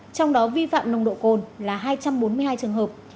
trong đó vi phạm nồng độ cồn là hai trăm bốn mươi hai trường hợp